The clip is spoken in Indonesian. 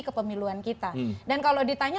kepemiluan kita dan kalau ditanya